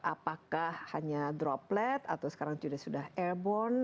apakah hanya droplet atau sekarang sudah airborne